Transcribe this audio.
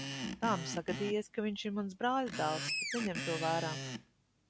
Tā nu sagadījies, ka viņš ir mans brāļadēls, bet neņem to vērā.